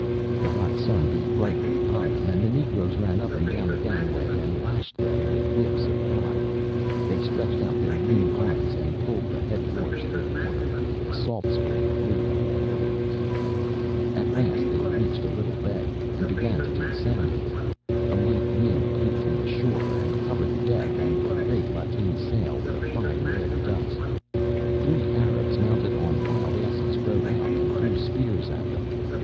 The hot sun beat brightly upon them, and the negroes ran up and down the gangway and lashed them with whips of hide. They stretched out their lean arms and pulled the heavy oars through the water. The salt spray flew from the blades. At last they reached a little bay, and began to take soundings. A light wind blew from the shore, and covered the deck and the great lateen sail with a fine red dust. Three Arabs mounted on wild asses rode out and threw spears at them.